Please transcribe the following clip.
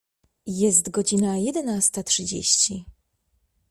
Jest godzina jedenasta trzydzieści.